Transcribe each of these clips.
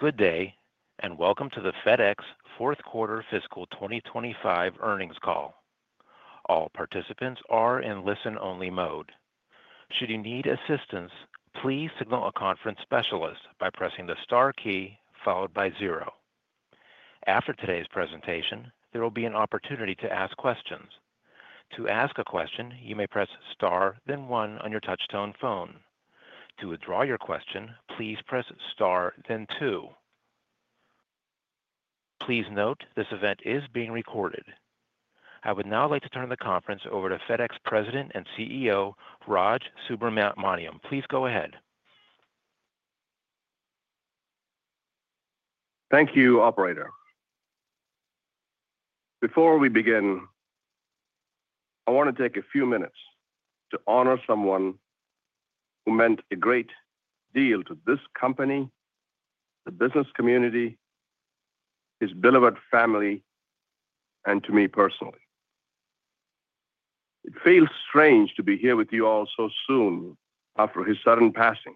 Good day, and welcome to the FedEx Fourth Quarter Fiscal 2025 Earnings Call. All participants are in listen-only mode. Should you need assistance, please signal a conference specialist by pressing the star key followed by 0. After today's presentation, there will be an opportunity to ask questions. To ask a question, you may press star, then 1 on your touch-tone phone. To withdraw your question, please press star, then 2. Please note this event is being recorded. I would now like to turn the conference over to FedEx President and CEO, Raj Subramaniam. Please go ahead. Thank you, Operator. Before we begin, I want to take a few minutes to honor someone who meant a great deal to this company, the business community, his beloved family, and to me personally. It feels strange to be here with you all so soon after his sudden passing,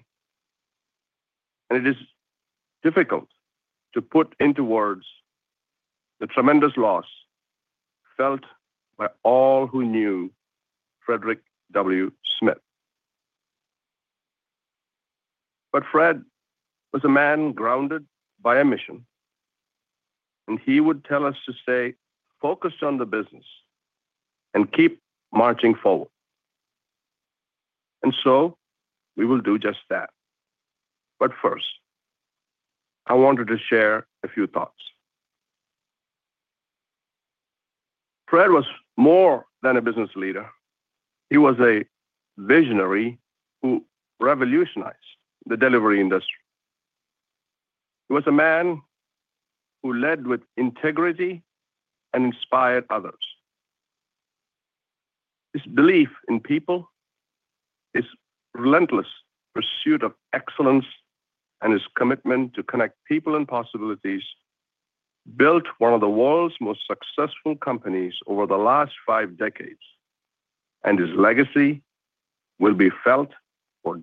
and it is difficult to put into words the tremendous loss felt by all who knew Frederick W. Smith. Fred was a man grounded by a mission, and he would tell us to stay focused on the business and keep marching forward. We will do just that. First, I wanted to share a few thoughts. Fred was more than a business leader. He was a visionary who revolutionized the delivery industry. He was a man who led with integrity and inspired others. His belief in people, his relentless pursuit of excellence, and his commitment to connect people and possibilities built one of the world's most successful companies over the last five decades, and his legacy will be felt for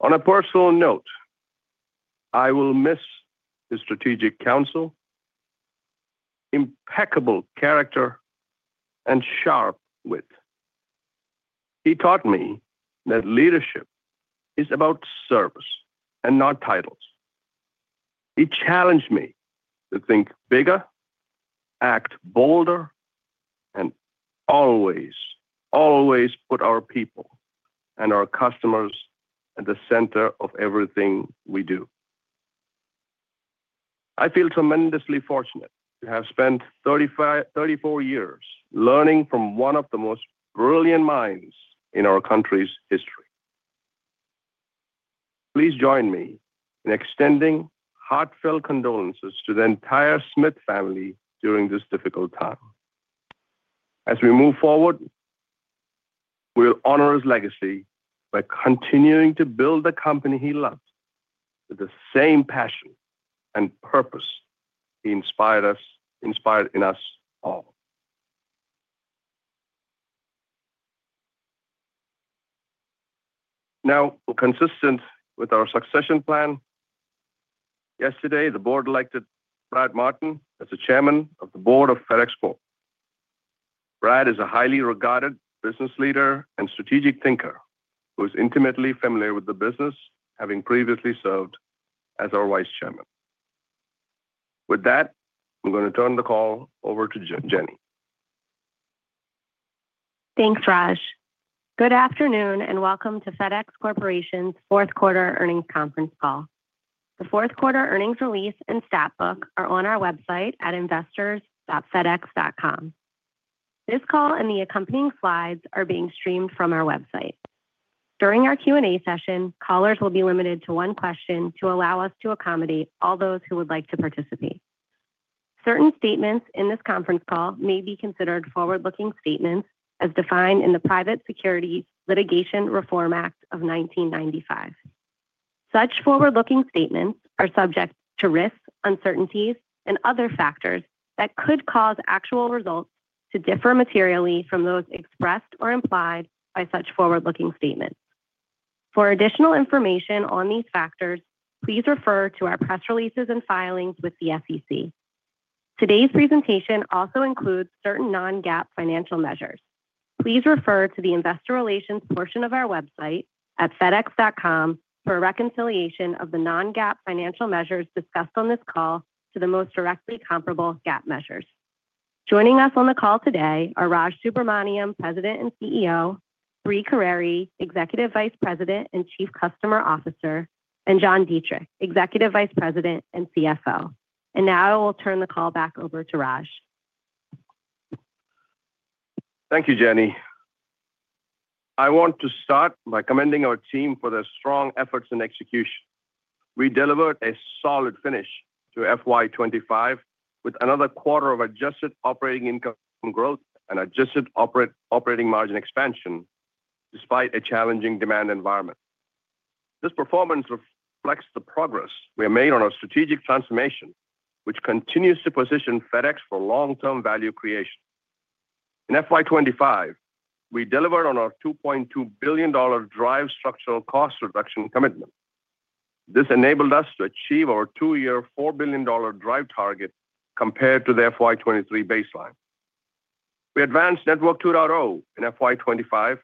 decades to come. On a personal note, I will miss his strategic counsel, impeccable character, and sharp wit. He taught me that leadership is about service and not titles. He challenged me to think bigger, act bolder, and always, always put our people and our customers at the center of everything we do. I feel tremendously fortunate to have spent 34 years learning from one of the most brilliant minds in our country's history. Please join me in extending heartfelt condolences to the entire Smith family during this difficult time. As we move forward, we'll honor his legacy by continuing to build the company he loved with the same passion and purpose he inspired in us all. Now, we're consistent with our succession plan. Yesterday, the board elected Brad Martin as the Chairman of the Board of FedEx Corporation. Brad is a highly regarded business leader and strategic thinker who is intimately familiar with the business, having previously served as our Vice Chairman. With that, I'm going to turn the call over to Jenny. Thanks, Raj. Good afternoon, and welcome to FedEx Corporation's Q4 Earnings Conference Call. The Fourth Quarter earnings release and stat book are on our website at investors.fedex.com. This call and the accompanying slides are being streamed from our website. During our Q&A session, callers will be limited to one question to allow us to accommodate all those who would like to participate. Certain statements in this conference call may be considered forward-looking statements as defined in the Private Securities Litigation Reform Act of 1995. Such forward-looking statements are subject to risks, uncertainties, and other factors that could cause actual results to differ materially from those expressed or implied by such forward-looking statements. For additional information on these factors, please refer to our press releases and filings with the SEC. Today's presentation also includes certain non-GAAP financial measures. Please refer to the investor relations portion of our website at fedex.com for a reconciliation of the non-GAAP financial measures discussed on this call to the most directly comparable GAAP measures. Joining us on the call today are Raj Subramaniam, President and CEO; Brie Carere, Executive Vice President and Chief Customer Officer; and John Dietrich, Executive Vice President and CFO. I will turn the call back over to Raj. Thank you, Jenny. I want to start by commending our team for their strong efforts and execution. We delivered a solid finish to FY25 with another quarter of adjusted operating income growth and adjusted operating margin expansion despite a challenging demand environment. This performance reflects the progress we have made on our strategic transformation, which continues to position FedEx for long-term value creation. In FY25, we delivered on our $2.2 billion Drive structural cost reduction commitment. This enabled us to achieve our two-year $4 billion Drive target compared to the FY23 baseline. We advanced Network 2.0 in FY25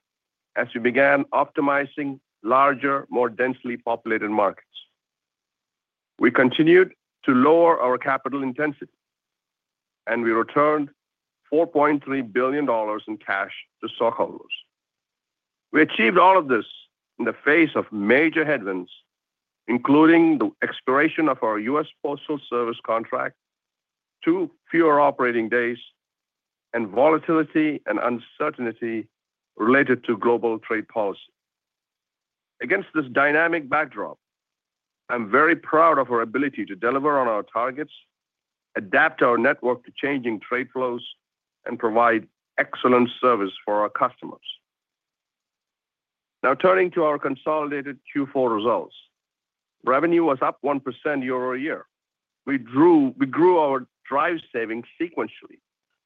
as we began optimizing larger, more densely populated markets. We continued to lower our capital intensity, and we returned $4.3 billion in cash to stockholders. We achieved all of this in the face of major headwinds, including the expiration of our U.S. Postal Service Contract, two fewer operating days, and volatility and uncertainty related to global trade policy. Against this dynamic backdrop, I'm very proud of our ability to deliver on our targets, adapt our network to changing trade flows, and provide excellent service for our customers. Now, turning to our consolidated Q4 results, revenue was up 1% year-over-year. We grew our DRIVE savings sequentially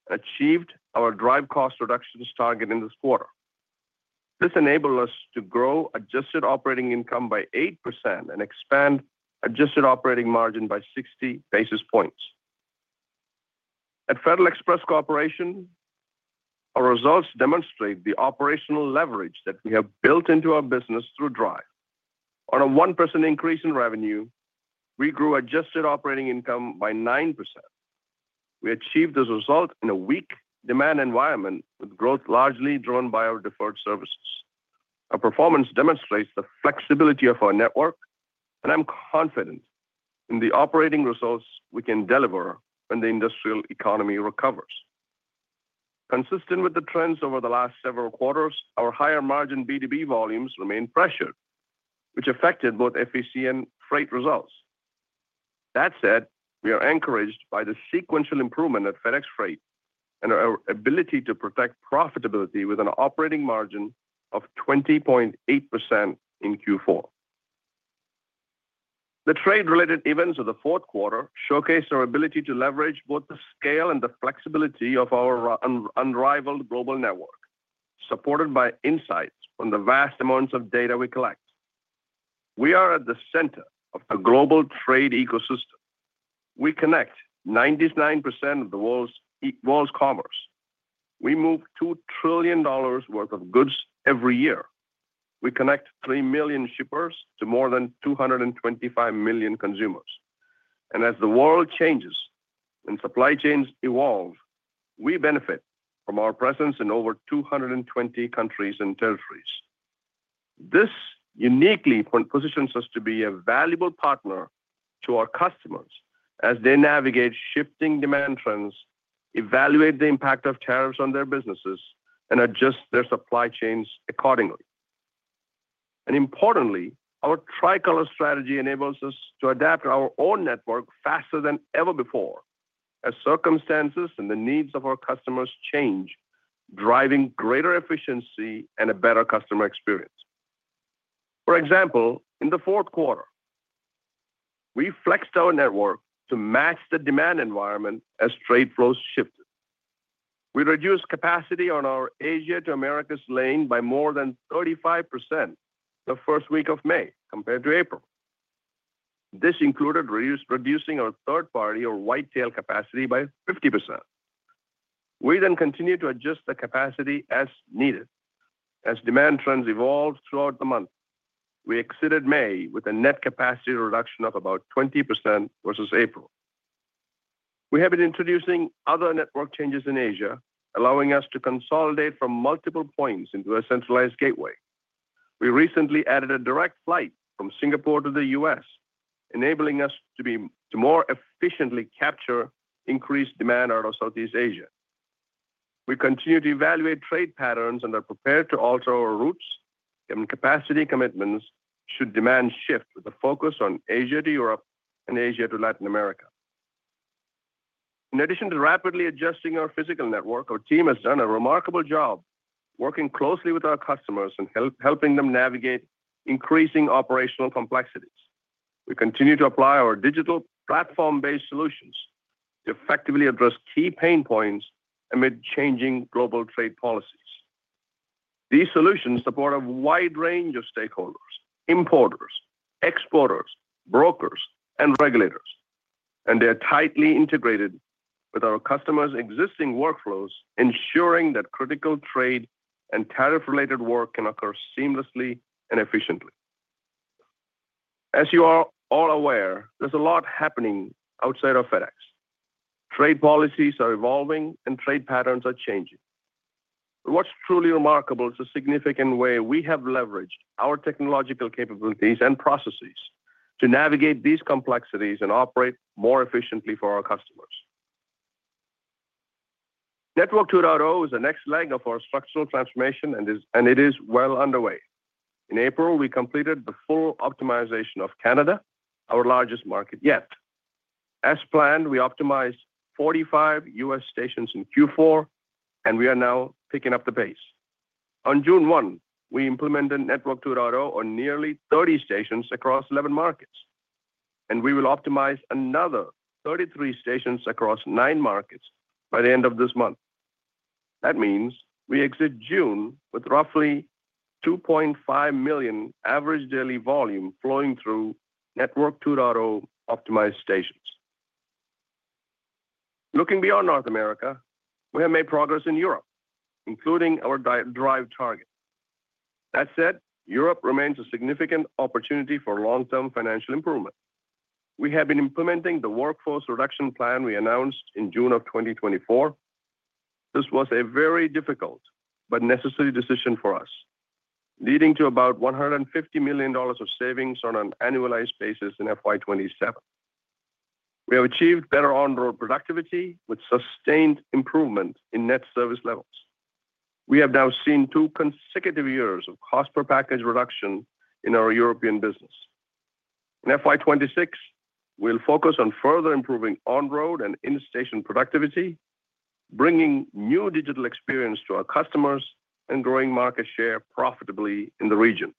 and achieved our DRIVE cost reductions target in this quarter. This enabled us to grow adjusted operating income by 8% and expand adjusted operating margin by 60 basis points. At FedEx Corporation, our results demonstrate the operational leverage that we have built into our business through DRIVE. On a 1% increase in revenue, we grew adjusted operating income by 9%. We achieved this result in a weak demand environment with growth largely driven by our deferred services. Our performance demonstrates the flexibility of our network, and I'm confident in the operating results we can deliver when the industrial economy recovers. Consistent with the trends over the last several quarters, our higher margin B2B volumes remain pressured, which affected both FedEx Express and Freight results. That said, we are encouraged by the sequential improvement at FedEx Freight and our ability to protect profitability with an operating margin of 20.8% in Q4. The trade-related events of the Fourth Quarter showcased our ability to leverage both the scale and the flexibility of our unrivaled global network, supported by insights from the vast amounts of data we collect. We are at the center of the global trade ecosystem. We connect 99% of the world's commerce. We move $2 trillion worth of goods every year. We connect 3 million shippers to more than 225 million consumers. As the world changes and supply chains evolve, we benefit from our presence in over 220 countries and territories. This uniquely positions us to be a valuable partner to our customers as they navigate shifting demand trends, evaluate the impact of tariffs on their businesses, and adjust their supply chains accordingly. Importantly, our tricolor strategy enables us to adapt our own network faster than ever before as circumstances and the needs of our customers change, driving greater efficiency and a better customer experience. For example, in the Fourth Quarter, we flexed our network to match the demand environment as trade flows shifted. We reduced capacity on our Asia to America's lane by more than 35% the first week of May compared to April. This included reducing our third-party or white-tail capacity by 50%. We then continued to adjust the capacity as needed. As demand trends evolved throughout the month, we exceeded May with a net capacity reduction of about 20% versus April. We have been introducing other network changes in Asia, allowing us to consolidate from multiple points into a centralized gateway. We recently added a direct flight from Singapore to the U.S., enabling us to more efficiently capture increased demand out of Southeast Asia. We continue to evaluate trade patterns and are prepared to alter our routes and capacity commitments should demand shift with a focus on Asia to Europe and Asia to Latin America. In addition to rapidly adjusting our physical network, our team has done a remarkable job working closely with our customers and helping them navigate increasing operational complexities. We continue to apply our digital platform-based solutions to effectively address key pain points amid changing global trade policies. These solutions support a wide range of stakeholders: importers, exporters, brokers, and regulators. They are tightly integrated with our customers' existing workflows, ensuring that critical trade and tariff-related work can occur seamlessly and efficiently. As you are all aware, there is a lot happening outside of FedEx. Trade policies are evolving, and trade patterns are changing. What is truly remarkable is the significant way we have leveraged our technological capabilities and processes to navigate these complexities and operate more efficiently for our customers. Network 2.0 is the next leg of our structural transformation, and it is well underway. In April, we completed the full optimization of Canada, our largest market yet. As planned, we optimized 45 U.S. stations in Q4, and we are now picking up the pace. On June 1, we implemented Network 2.0 on nearly 30 stations across 11 markets, and we will optimize another 33 stations across 9 markets by the end of this month. That means we exit June with roughly 2.5 million average daily volume flowing through Network 2.0 optimized stations. Looking beyond North America, we have made progress in Europe, including our Drive target. That said, Europe remains a significant opportunity for long-term financial improvement. We have been implementing the workforce reduction plan we announced in June of 2024. This was a very difficult but necessary decision for us, leading to about $150 million of savings on an annualized basis in FY27. We have achieved better on-road productivity with sustained improvement in net service levels. We have now seen two consecutive years of cost-per-package reduction in our European business. In FY26, we'll focus on further improving on-road and interstation productivity, bringing new digital experience to our customers and growing market share profitably in the region.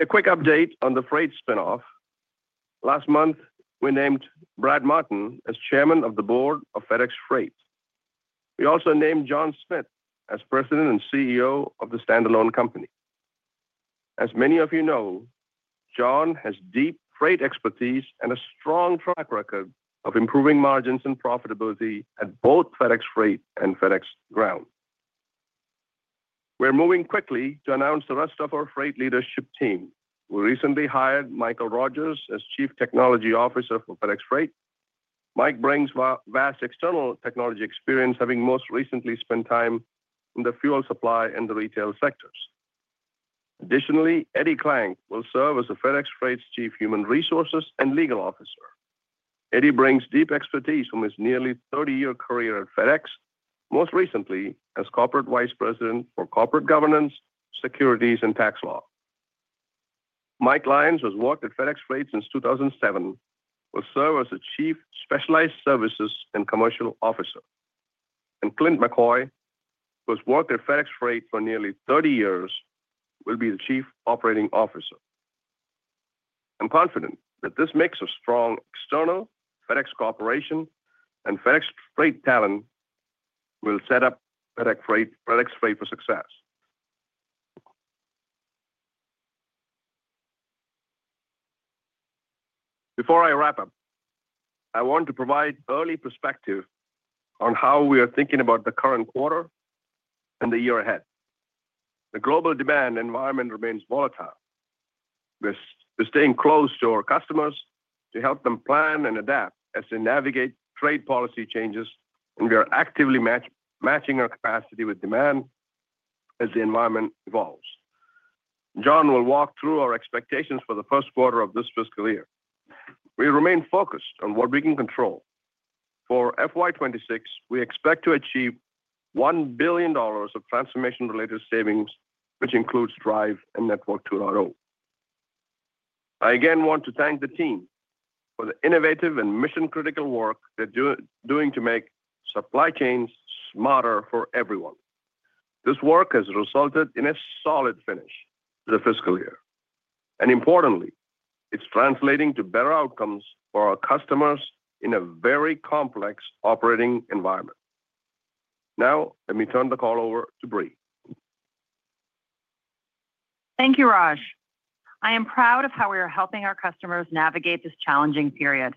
A quick update on the Freight spinoff. Last month, we named Brad Martin as Chairman of the Board of FedEx Freight. We also named John Smith as President and CEO of the standalone company. As many of you know, John has deep freight expertise and a strong track record of improving margins and profitability at both FedEx Freight and FedEx Ground. We're moving quickly to announce the rest of our freight leadership team. We recently hired Michael Rogers as Chief Technology Officer for FedEx Freight. Mike brings vast external technology experience, having most recently spent time in the fuel supply and the retail sectors. Additionally, Eddie Klank will serve as FedEx Freigfht's Chief Human Resources and Legal Officer. Eddie brings deep expertise from his nearly 30-year career at FedEx, most recently as Corporate Vice President for corporate governance, securities, and tax law. Mike Lyons has worked at FedEx Freight since 2007, will serve as Chief Specialized Services and Commercial Officer. Clint McCoy, who has worked at FedEx Freight for nearly 30 years, will be the Chief Operating Officer. I'm confident that this mix of strong external FedEx Corporation and FedEx Freight talent will set up FedEx Freight for success. Before I wrap up, I want to provide early perspective on how we are thinking about the current quarter and the year ahead. The global demand environment remains volatile. We're staying close to our customers to help them plan and adapt as they navigate trade policy changes, and we are actively matching our capacity with demand as the environment evolves. John will walk through our expectations for the First Quarter of this fiscal year. We remain focused on what we can control. For FY26, we expect to achieve $1 billion of transformation-related savings, which includes Drive and Network 2.0. I again want to thank the team for the innovative and mission-critical work they're doing to make supply chains smarter for everyone. This work has resulted in a solid finish to the fiscal year. Importantly, it's translating to better outcomes for our customers in a very complex operating environment. Now, let me turn the call over to Brie. Thank you, Raj. I am proud of how we are helping our customers navigate this challenging period.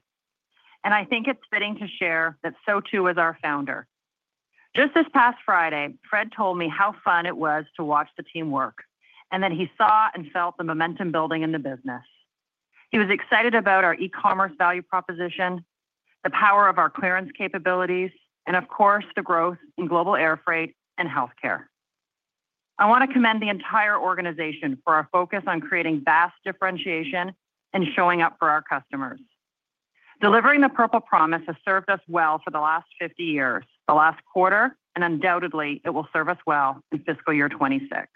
I think it's fitting to share that so too is our founder. Just this past Friday, Fred told me how fun it was to watch the team work and that he saw and felt the momentum building in the business. He was excited about our e-commerce value proposition, the power of our clearance capabilities, and of course, the growth in global air freight and healthcare. I want to commend the entire organization for our focus on creating vast differentiation and showing up for our customers. Delivering the purple promise has served us well for the last 50 years, the last quarter, and undoubtedly, it will serve us well in fiscal year 2026.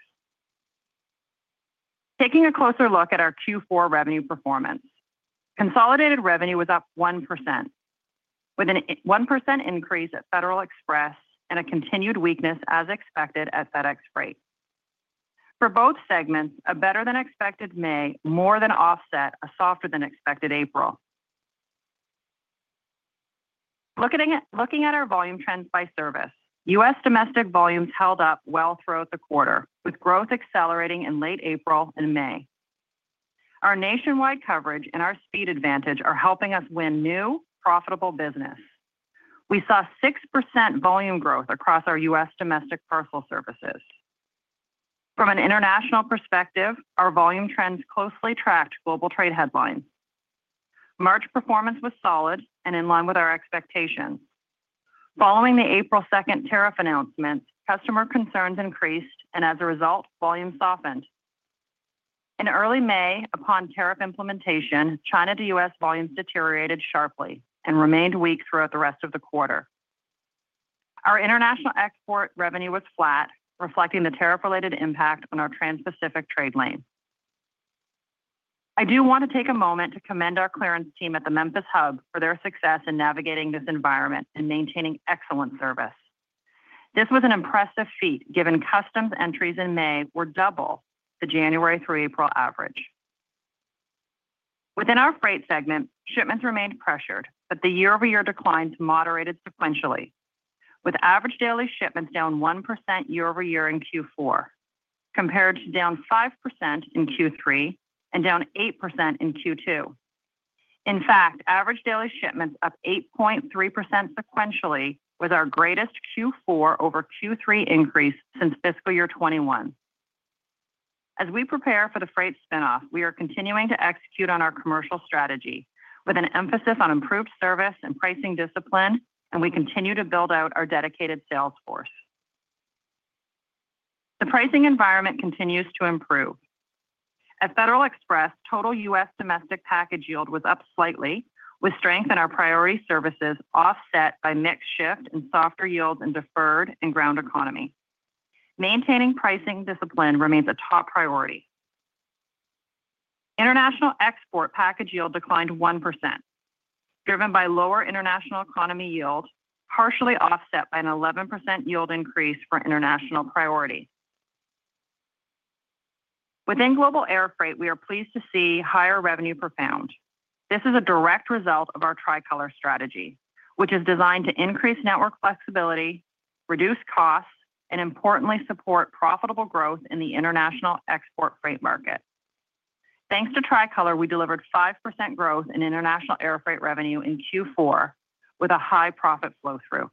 Taking a closer look at our Q4 revenue performance, consolidated revenue was up 1%, with a 1% increase at FedEx Express and a continued weakness, as expected, at FedEx Freight. For both segments, a better-than-expected May more than offset a softer-than-expected April. Looking at our volume trends by service, U.S. domestic volumes held up well throughout the quarter, with growth accelerating in late April and May. Our nationwide coverage and our speed advantage are helping us win new, profitable business. We saw 6% volume growth across our U.S. domestic personal services. From an international perspective, our volume trends closely tracked global trade headlines. March performance was solid and in line with our expectations. Following the April 2 tariff announcement, customer concerns increased, and as a result, volume softened. In early May, upon tariff implementation, China to U.S. volumes deteriorated sharply and remained weak throughout the rest of the quarter. Our international export revenue was flat, reflecting the tariff-related impact on our Trans-Pacific trade lane. I do want to take a moment to commend our clearance team at the Memphis hub for their success in navigating this environment and maintaining excellent service. This was an impressive feat given customs entries in May were double the January through April average. Within our freight segment, shipments remained pressured, but the year-over-year declines moderated sequentially, with average daily shipments down 1% year-over-year in Q4, compared to down 5% in Q3 and down 8% in Q2. In fact, average daily shipments up 8.3% sequentially, with our greatest Q4 over Q3 increase since fiscal year 2021. As we prepare for the freight spinoff, we are continuing to execute on our commercial strategy with an emphasis on improved service and pricing discipline, and we continue to build out our dedicated sales force. The pricing environment continues to improve. At Federal Express, total U.S. domestic package yield was up slightly, with strength in our priority services offset by mix shift and softer yields in deferred and ground economy. Maintaining pricing discipline remains a top priority. International export package yield declined 1%, driven by lower international economy yield, partially offset by an 11% yield increase for international priority. Within Global Air Freight, we are pleased to see higher revenue per pound. This is a direct result of our Tricolor Strategy, which is designed to increase network flexibility, reduce costs, and importantly, support profitable growth in the international export freight market. Thanks to Tricolor, we delivered 5% growth in international air freight revenue in Q4 with a high profit flow-through.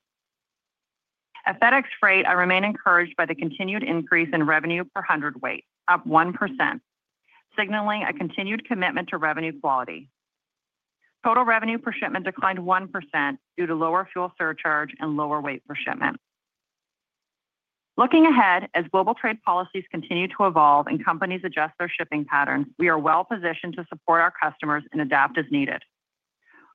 At FedEx Freight, I remain encouraged by the continued increase in revenue per hundred weight, up 1%, signaling a continued commitment to revenue quality. Total revenue per shipment declined 1% due to lower fuel surcharge and lower weight per shipment. Looking ahead, as global trade policies continue to evolve and companies adjust their shipping patterns, we are well positioned to support our customers and adapt as needed.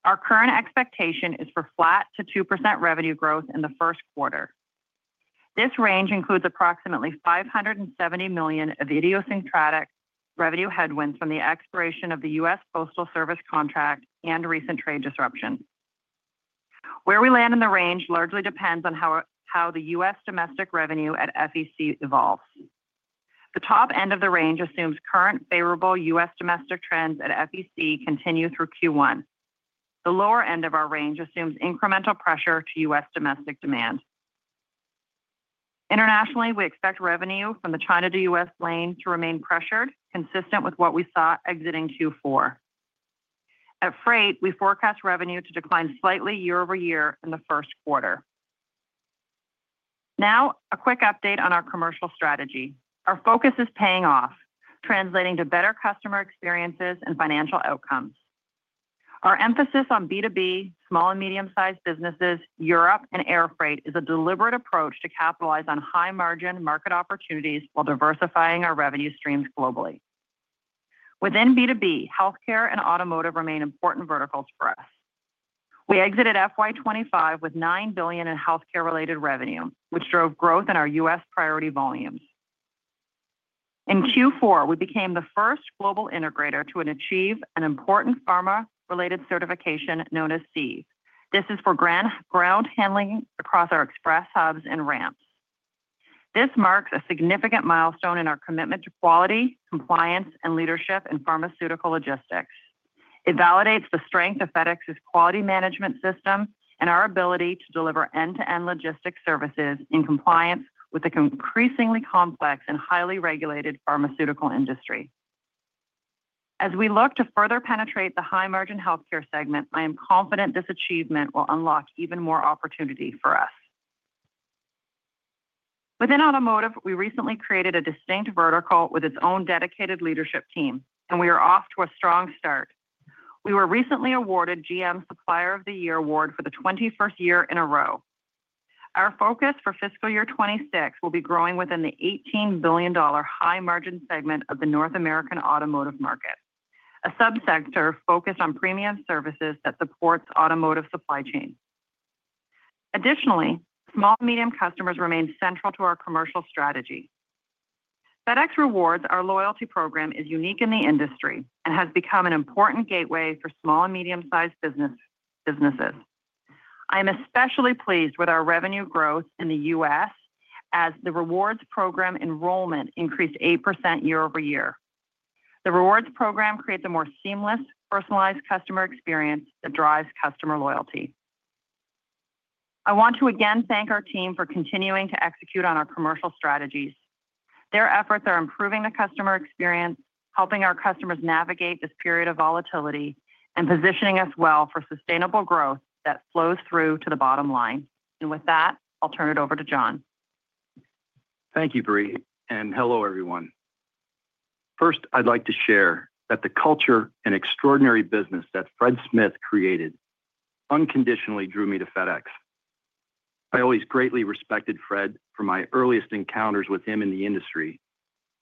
Our current expectation is for flat to 2% revenue growth in the First Quarter. This range includes approximately $570 million of idiosyncratic revenue headwinds from the expiration of the U.S. Postal Service contract and recent trade disruptions. Where we land in the range largely depends on how the U.S. domestic revenue at FedEx Express evolves. The top end of the range assumes current favorable U.S. domestic trends at SEC continue through Q1. The lower end of our range assumes incremental pressure to U.S. domestic demand. Internationally, we expect revenue from the China to U.S. lane to remain pressured, consistent with what we saw exiting Q4. At freight, we forecast revenue to decline slightly year-over-year in the First Quarter. Now, a quick update on our commercial strategy. Our focus is paying off, translating to better customer experiences and financial outcomes. Our emphasis on B2B, small and medium-sized businesses, Europe, and air freight is a deliberate approach to capitalize on high-margin market opportunities while diversifying our revenue streams globally. Within B2B, healthcare and automotive remain important verticals for us. We exited FY25 with $9 billion in healthcare-related revenue, which drove growth in our U.S. priority volumes. In Q4, we became the first global integrator to achieve an important pharma-related certification known as SEA. This is for ground handling across our express hubs and ramps. This marks a significant milestone in our commitment to quality, compliance, and leadership in pharmaceutical logistics. It validates the strength of FedEx's quality management system and our ability to deliver end-to-end logistics services in compliance with the increasingly complex and highly regulated pharmaceutical industry. As we look to further penetrate the high-margin healthcare segment, I am confident this achievement will unlock even more opportunity for us. Within automotive, we recently created a distinct vertical with its own dedicated leadership team, and we are off to a strong start. We were recently awarded GM Supplier of the Year award for the 21st year in a row. Our focus for fiscal year 2026 will be growing within the $18 billion high-margin segment of the North American automotive market, a subsector focused on premium services that supports automotive supply chain. Additionally, small and medium customers remain central to our commercial strategy. FedEx Rewards, our loyalty program, is unique in the industry and has become an important gateway for small and medium-sized businesses. I am especially pleased with our revenue growth in the U.S. as the Rewards program enrollment increased 8% year-over-year. The Rewards program creates a more seamless, personalized customer experience that drives customer loyalty. I want to again thank our team for continuing to execute on our commercial strategies. Their efforts are improving the customer experience, helping our customers navigate this period of volatility, and positioning us well for sustainable growth that flows through to the bottom line. I'll turn it over to John. Thank you, Brie. And hello, everyone. First, I'd like to share that the culture and extraordinary business that Fred Smith created unconditionally drew me to FedEx. I always greatly respected Fred from my earliest encounters with him in the industry,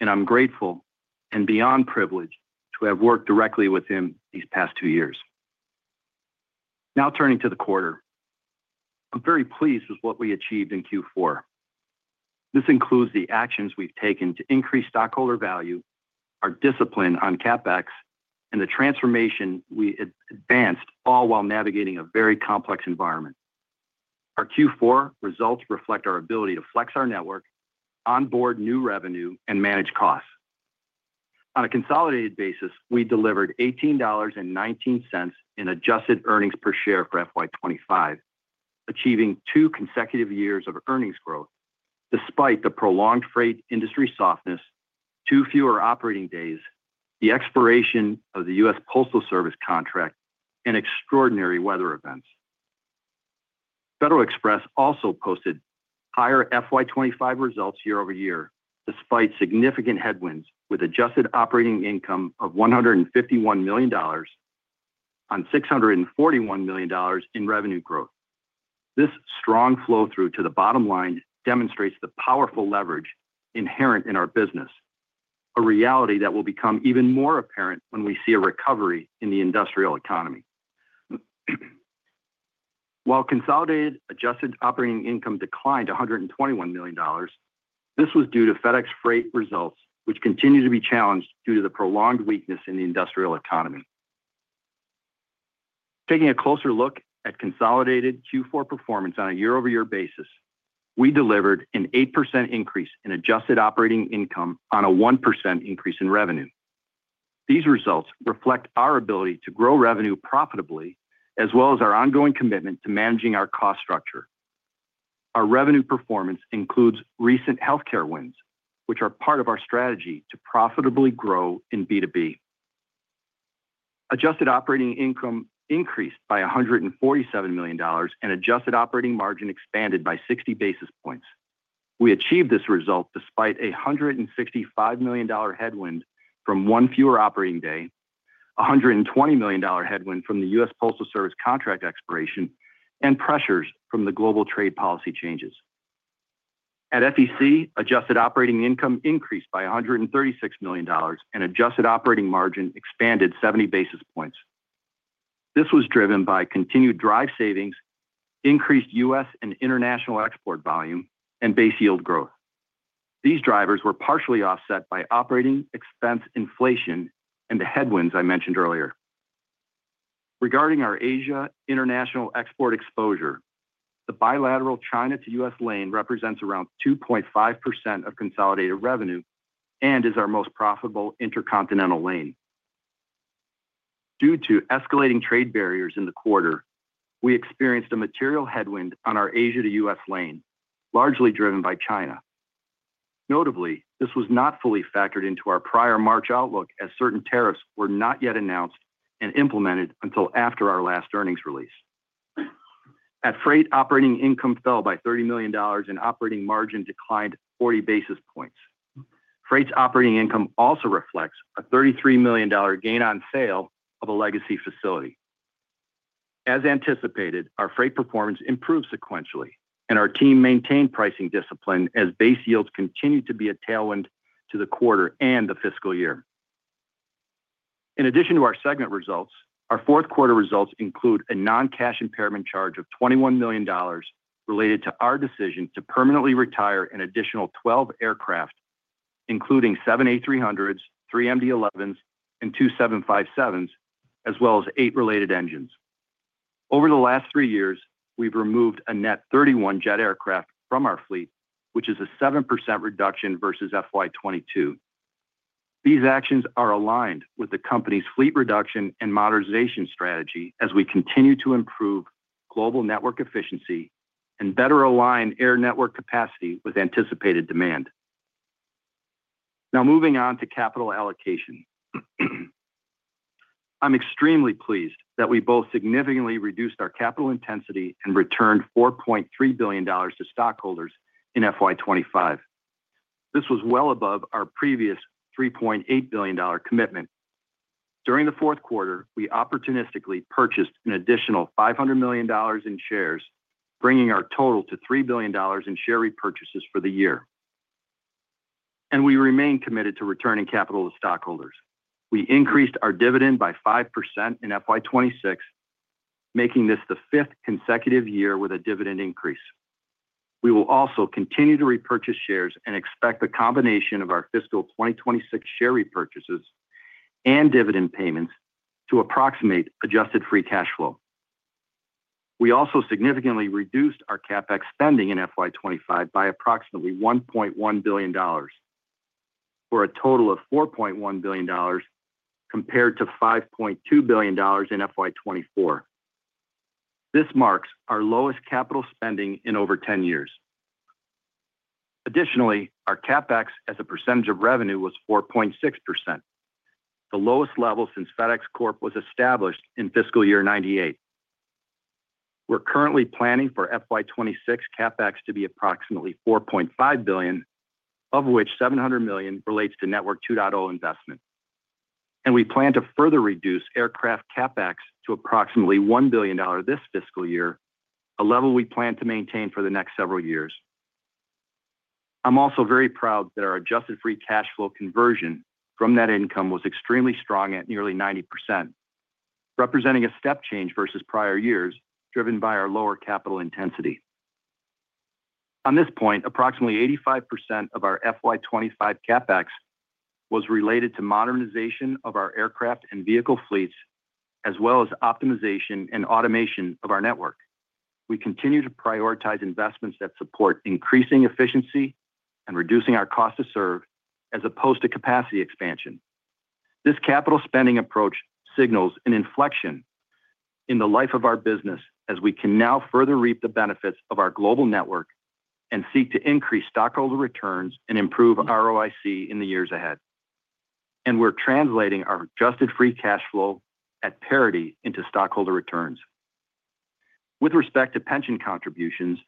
and I'm grateful and beyond privileged to have worked directly with him these past two years. Now, turning to the quarter, I'm very pleased with what we achieved in Q4. This includes the actions we've taken to increase stockholder value, our discipline on CapEx, and the transformation we advanced, all while navigating a very complex environment. Our Q4 results reflect our ability to flex our network, onboard new revenue, and manage costs. On a consolidated basis, we delivered $18.19 in adjusted earnings per share for FY25, achieving two consecutive years of earnings growth despite the prolonged freight industry softness, two fewer operating days, the expiration of the U.S. Postal Service contract, and extraordinary weather events. FedEx Express also posted higher FY25 results year-over-year despite significant headwinds, with adjusted operating income of $151 million on $641 million in revenue growth. This strong flow-through to the bottom line demonstrates the powerful leverage inherent in our business, a reality that will become even more apparent when we see a recovery in the industrial economy. While consolidated adjusted operating income declined $121 million, this was due to FedEx Freight results, which continue to be challenged due to the prolonged weakness in the industrial economy. Taking a closer look at consolidated Q4 performance on a year-over-year basis, we delivered an 8% increase in adjusted operating income on a 1% increase in revenue. These results reflect our ability to grow revenue profitably, as well as our ongoing commitment to managing our cost structure. Our revenue performance includes recent healthcare wins, which are part of our strategy to profitably grow in B2B. Adjusted operating income increased by $147 million and adjusted operating margin expanded by 60 basis points. We achieved this result despite a $165 million headwind from one fewer operating day, a $120 million headwind from the U.S. Postal Service contract expiration, and pressures from the global trade policy changes. At FedEx Express, adjusted operating income increased by $136 million and adjusted operating margin expanded 70 basis points. This was driven by continued Drive savings, increased U.S. and international export volume, and base yield growth. These drivers were partially offset by operating expense inflation and the headwinds I mentioned earlier. Regarding our Asia international export exposure, the bilateral China to U.S. lane represents around 2.5% of consolidated revenue and is our most profitable intercontinental lane. Due to escalating trade barriers in the quarter, we experienced a material headwind on our Asia to U.S. lane, largely driven by China. Notably, this was not fully factored into our prior March outlook as certain tariffs were not yet announced and implemented until after our last earnings release. At Freight, operating income fell by $30 million and operating margin declined 40 basis points. Freight's operating income also reflects a $33 million gain on sale of a legacy facility. As anticipated, our Freight performance improved sequentially, and our team maintained pricing discipline as base yields continued to be a tailwind to the quarter and the fiscal year. In addition to our segment results, our Fourth Quarter results include a non-cash impairment charge of $21 million related to our decision to permanently retire an additional 12 aircraft, including seven A300s, three MD-11s, and two 757s, as well as eight related engines. Over the last three years, we've removed a net 31 jet aircraft from our fleet, which is a 7% reduction versus FY22. These actions are aligned with the company's fleet reduction and modernization strategy as we continue to improve global network efficiency and better align air network capacity with anticipated demand. Now, moving on to capital allocation. I'm extremely pleased that we both significantly reduced our capital intensity and returned $4.3 billion to stockholders in FY25. This was well above our previous $3.8 billion commitment. During the fourth quarter, we opportunistically purchased an additional $500 million in shares, bringing our total to $3 billion in share repurchases for the year. We remain committed to returning capital to stockholders. We increased our dividend by 5% in FY26, making this the fifth consecutive year with a dividend increase. We will also continue to repurchase shares and expect the combination of our fiscal 2026 share repurchases and dividend payments to approximate adjusted free cash flow. We also significantly reduced our CapEx spending in FY25 by approximately $1.1 billion, for a total of $4.1 billion compared to $5.2 billion in FY24. This marks our lowest capital spending in over 10 years. Additionally, our CapEx as a percentage of revenue was 4.6%, the lowest level since FedEx Corporation was established in fiscal year 1998. We're currently planning for FY26 CapEx to be approximately $4.5 billion, of which $700 million relates to Network 2.0 investment. We plan to further reduce aircraft CapEx to approximately $1 billion this fiscal year, a level we plan to maintain for the next several years. I'm also very proud that our adjusted free cash flow conversion from net income was extremely strong at nearly 90%, representing a step change versus prior years driven by our lower capital intensity. On this point, approximately 85% of our FY25 CapEx was related to modernization of our aircraft and vehicle fleets, as well as optimization and automation of our network. We continue to prioritize investments that support increasing efficiency and reducing our cost to serve as opposed to capacity expansion. This capital spending approach signals an inflection in the life of our business as we can now further reap the benefits of our global network and seek to increase stockholder returns and improve ROIC in the years ahead. We're translating our adjusted free cash flow at parity into stockholder returns. With respect to pension contributions,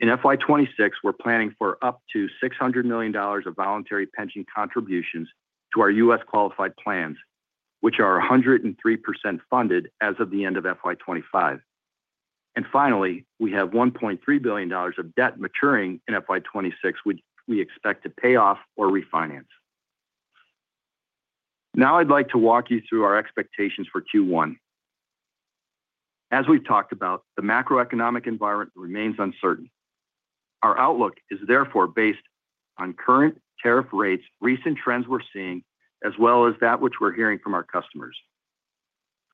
in FY26, we're planning for up to $600 million of voluntary pension contributions to our U.S. qualified plans, which are 103% funded as of the end of FY25. Finally, we have $1.3 billion of debt maturing in FY26, which we expect to pay off or refinance. Now, I'd like to walk you through our expectations for Q1. As we've talked about, the macroeconomic environment remains uncertain. Our outlook is therefore based on current tariff rates, recent trends we're seeing, as well as that which we're hearing from our customers.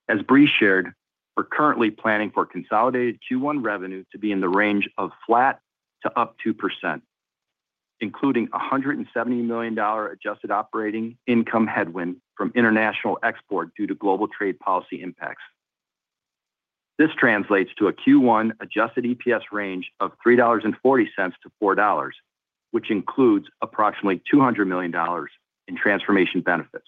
As Brie shared, we're currently planning for consolidated Q1 revenue to be in the range of flat to up 2%, including a $170 million adjusted operating income headwind from international export due to global trade policy impacts. This translates to a Q1 adjusted EPS range of $3.40-$4, which includes approximately $200 million in transformation benefits.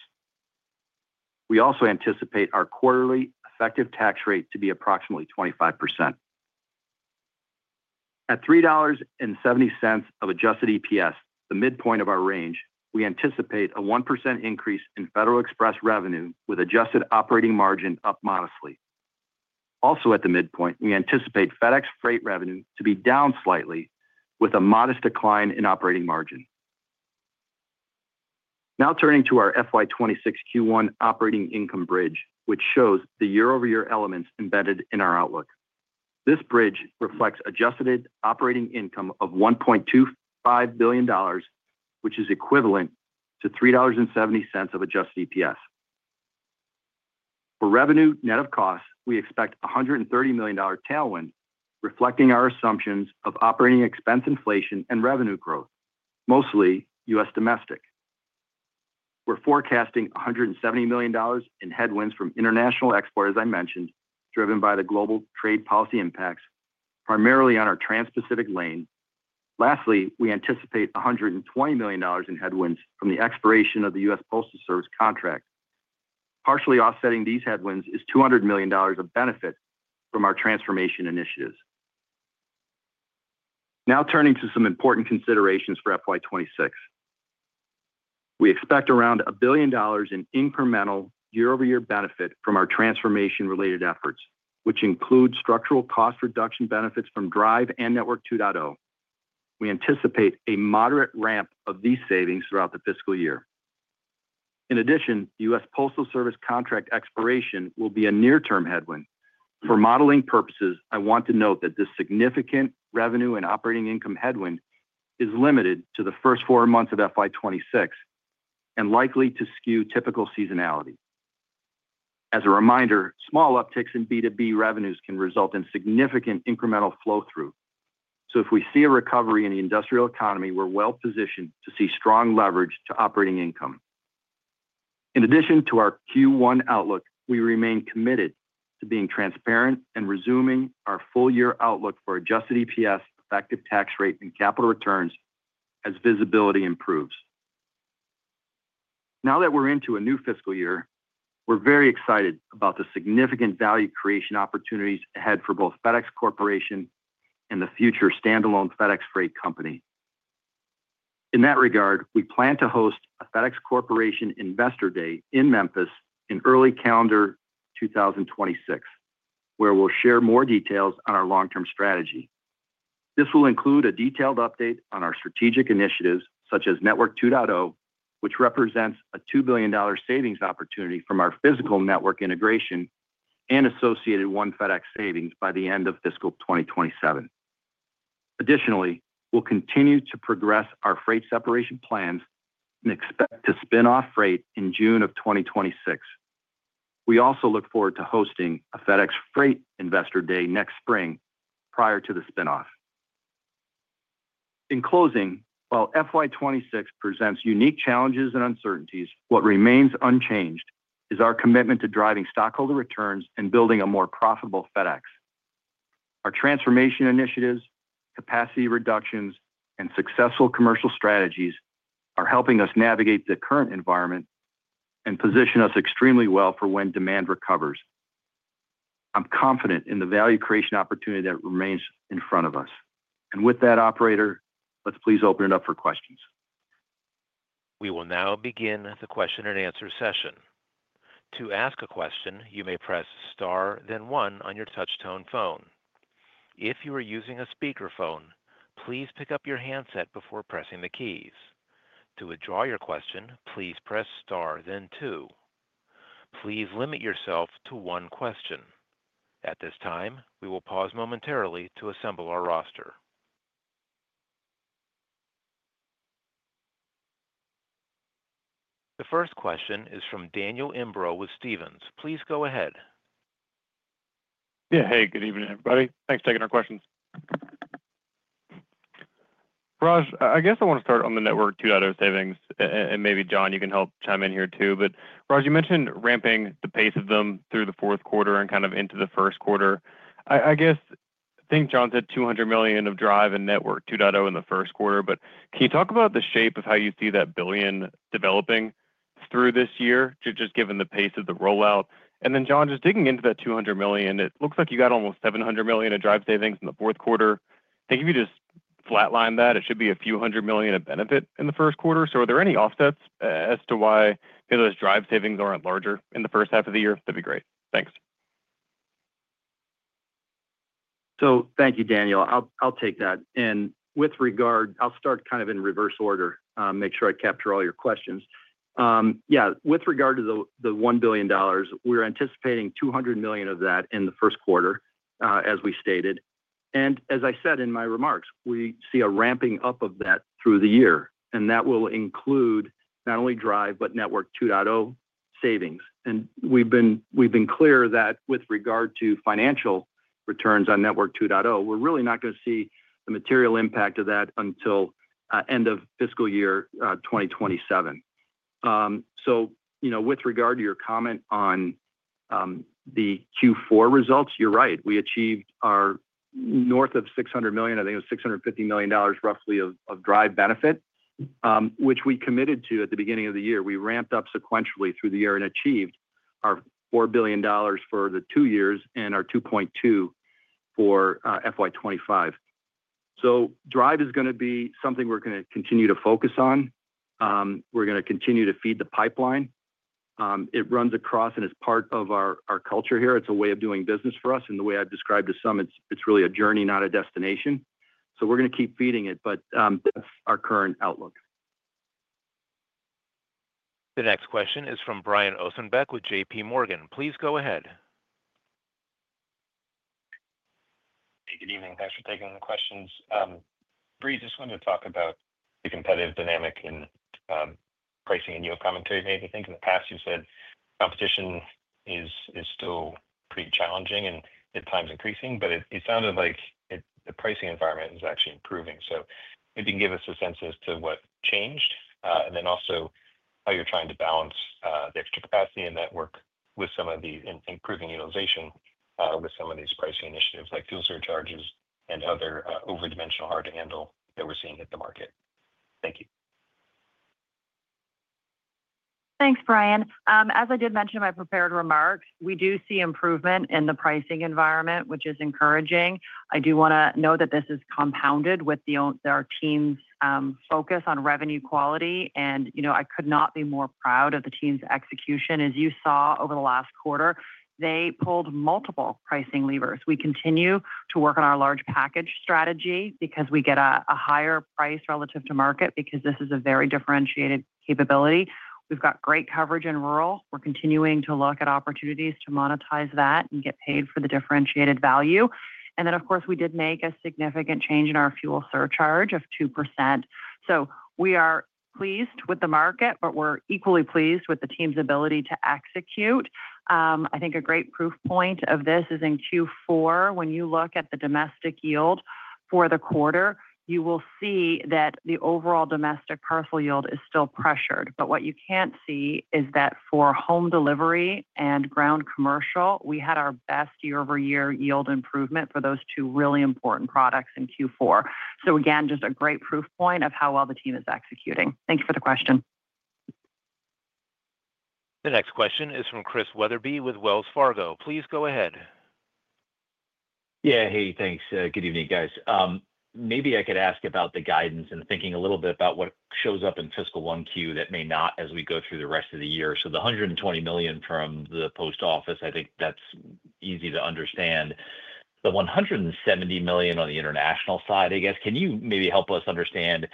We also anticipate our quarterly effective tax rate to be approximately 25%. At $3.70 of adjusted EPS, the midpoint of our range, we anticipate a 1% increase in FedEx Express revenue with adjusted operating margin up modestly. Also, at the midpoint, we anticipate FedEx Freight revenue to be down slightly with a modest decline in operating margin. Now, turning to our FY26 Q1 operating income bridge, which shows the year-over-year elements embedded in our outlook. This bridge reflects adjusted operating income of $1.25 billion, which is equivalent to $3.70 of adjusted EPS. For revenue net of costs, we expect a $130 million tailwind, reflecting our assumptions of operating expense inflation and revenue growth, mostly U.S. domestic. We're forecasting $170 million in headwinds from international export, as I mentioned, driven by the global trade policy impacts, primarily on our Trans-Pacific lane. Lastly, we anticipate $120 million in headwinds from the expiration of the U.S. Postal Service contract. Partially offsetting these headwinds is $200 million of benefit from our transformation initiatives. Now, turning to some important considerations for FY2026. We expect around $1 billion in incremental year-over-year benefit from our transformation-related efforts, which include structural cost reduction benefits from DRIVE and Network 2.0. We anticipate a moderate ramp of these savings throughout the fiscal year. In addition, the U.S. Postal Service contract expiration will be a near-term headwind. For modeling purposes, I want to note that this significant revenue and operating income headwind is limited to the first four months of FY2026 and likely to skew typical seasonality. As a reminder, small upticks in B2B revenues can result in significant incremental flow-through. If we see a recovery in the industrial economy, we're well positioned to see strong leverage to operating income. In addition to our Q1 outlook, we remain committed to being transparent and resuming our full-year outlook for adjusted EPS, effective tax rate, and capital returns as visibility improves. Now that we're into a new fiscal year, we're very excited about the significant value creation opportunities ahead for both FedEx Corporation and the future standalone FedEx Freight company. In that regard, we plan to host a FedEx Corporation Investor Day in Memphis in early calendar 2026, where we'll share more details on our long-term strategy. This will include a detailed update on our strategic initiatives, such as Network 2.0, which represents a $2 billion savings opportunity from our physical network integration and associated one FedEx savings by the end of fiscal 2027. Additionally, we'll continue to progress our freight separation plans and expect to spin off freight in June of 2026. We also look forward to hosting a FedEx Freight Investor Day next spring prior to the spin-off. In closing, while FY26 presents unique challenges and uncertainties, what remains unchanged is our commitment to driving stockholder returns and building a more profitable FedEx. Our transformation initiatives, capacity reductions, and successful commercial strategies are helping us navigate the current environment and position us extremely well for when demand recovers. I'm confident in the value creation opportunity that remains in front of us. With that, operator, let's please open it up for questions. We will now begin the question and answer session. To ask a question, you may press Star, then 1 on your touch-tone phone. If you are using a speakerphone, please pick up your handset before pressing the keys. To withdraw your question, please press Star, then 2. Please limit yourself to one question. At this time, we will pause momentarily to assemble our roster. The first question is from Daniel Imbro with Stephens. Please go ahead. Yeah. Hey, good evening, everybody. Thanks for taking our questions. Raj, I guess I want to start on the Network 2.0 savings. And maybe John, you can help chime in here too. But Raj, you mentioned ramping the pace of them through the Fourth Quarter and kind of into the First Quarter. I guess I think John said $200 million of DRIVE and Network 2.0 in the First Quarter. Can you talk about the shape of how you see that billion developing through this year, just given the pace of the rollout? Then John, just digging into that $200 million, it looks like you got almost $700 million in Drive savings in the Fourth Quarter. I think if you just flatline that, it should be a few hundred million of benefit in the First Quarter. Are there any offsets as to why those DRIVE savings are not larger in the first half of the year? That would be great. Thanks. Thank you, Daniel. I'll take that. With regard, I'll start kind of in reverse order to make sure I capture all your questions. With regard to the $1 billion, we are anticipating $200 million of that in the First Quarter, as we stated. As I said in my remarks, we see a ramping up of that through the year. That will include not only DRIVE, but Network 2.0 savings. We have been clear that with regard to financial returns on Network 2.0, we are really not going to see the material impact of that until end of fiscal year 2027. With regard to your comment on the Q4 results, you are right. We achieved our north of $600 million. I think it was $650 million, roughly, of DRIVE benefit, which we committed to at the beginning of the year. We ramped up sequentially through the year and achieved our $4 billion for the two years and our $2.2 billion for FY25. DRIVE is going to be something we are going to continue to focus on. We are going to continue to feed the pipeline. It runs across and is part of our culture here. It's a way of doing business for us. The way I've described it to some, it's really a journey, not a destination. We're going to keep feeding it. That's our current outlook. The next question is from Brian Ossenbeck with J.P. Morgan. Please go ahead. Hey, good evening. Thanks for taking the questions. Brie, just wanted to talk about the competitive dynamic in pricing and your commentary made. I think in the past you said competition is still pretty challenging and at times increasing. It sounded like the pricing environment is actually improving. Maybe give us a sense as to what changed and also how you're trying to balance the extra capacity and network with some of the improving utilization with some of these pricing initiatives like fuel surcharges and other overdimensional hard-to-handle that we're seeing at the market. Thank you. Thanks, Brian. As I did mention in my prepared remarks, we do see improvement in the pricing environment, which is encouraging. I do want to note that this is compounded with our team's focus on revenue quality. I could not be more proud of the team's execution. As you saw over the last quarter, they pulled multiple pricing levers. We continue to work on our large package strategy because we get a higher price relative to market because this is a very differentiated capability. We have great coverage in rural. We are continuing to look at opportunities to monetize that and get paid for the differentiated value. Of course, we did make a significant change in our fuel surcharge of 2%. We are pleased with the market, but we are equally pleased with the team's ability to execute. I think a great proof point of this is in Q4. When you look at the domestic yield for the quarter, you will see that the overall domestic parcel yield is still pressured. What you cannot see is that for home delivery and ground commercial, we had our best year-over-year yield improvement for those two really important products in Q4. Again, just a great proof point of how well the team is executing. Thank you for the question. The next question is from Chris Wetherbee with Wells Fargo. Please go ahead. Yeah. Hey, thanks. Good evening, guys. Maybe I could ask about the guidance and thinking a little bit about what shows up in fiscal 1Q that may not as we go through the rest of the year. The $120 million from the post office, I think that is easy to understand. The $170 million on the international side, I guess, can you maybe help us understand,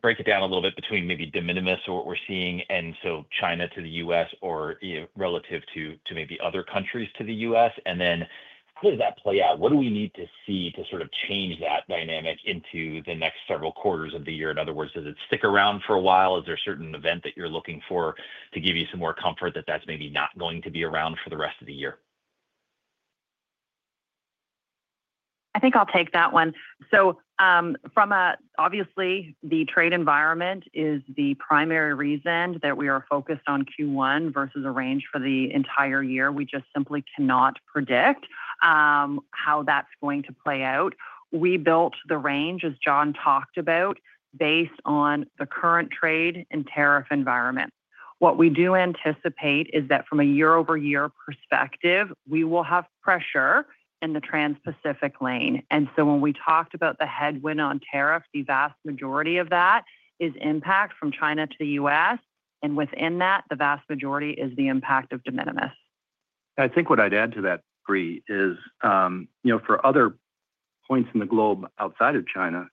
break it down a little bit between maybe de minimis or what we're seeing and so China to the U.S. or relative to maybe other countries to the U.S.? And then how does that play out? What do we need to see to sort of change that dynamic into the next several quarters of the year? In other words, does it stick around for a while? Is there a certain event that you're looking for to give you some more comfort that that's maybe not going to be around for the rest of the year? I think I'll take that one. Obviously, the trade environment is the primary reason that we are focused on Q1 versus a range for the entire year. We just simply cannot predict how that's going to play out. We built the range, as John talked about, based on the current trade and tariff environment. What we do anticipate is that from a year-over-year perspective, we will have pressure in the Trans-Pacific lane. When we talked about the headwind on tariff, the vast majority of that is impact from China to the U.S. Within that, the vast majority is the impact of de minimis. I think what I would add to that, Brie, is for other points in the globe outside of China,